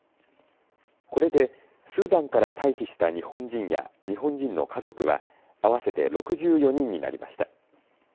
これでスーダンから退避した日本人や日本人の家族は合わせて６４人になりました。